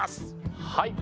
はい。